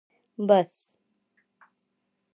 بس